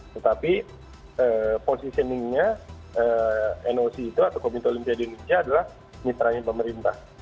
tetapi positioningnya noc itu atau komite olimpiade indonesia adalah mitranya pemerintah